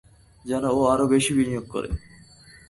যেন ও আরও বেশি বিনিয়োগ করে।